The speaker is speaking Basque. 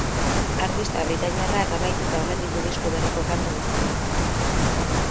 Artista britainiarrak amaituta omen ditu disko berriko kantu guztiak.